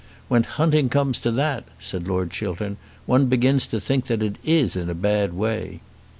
"When hunting comes to that," said Lord Chiltern, "one begins to think that it is in a bad way."